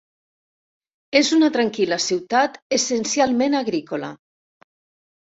És una tranquil·la ciutat essencialment agrícola.